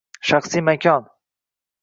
Shaxsiy makon